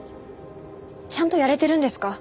ちゃんとやれてるんですか？